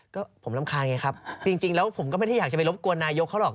ก็ผมรำคาญไงครับจริงแล้วผมก็ไม่ได้อยากจะไปรบกวนนายกเขาหรอก